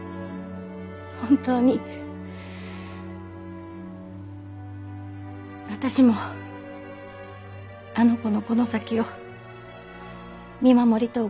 本当に私もあの子のこの先を見守りとうございましたけんど。